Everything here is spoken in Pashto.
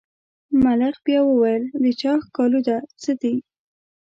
ملخ بیا وویل د چا ښکالو ده څه دي.